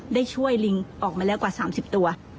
ได้ช่วยลิงออกมาแล้วกว่า๓๐ตัว